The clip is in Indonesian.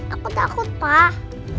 aku takut pak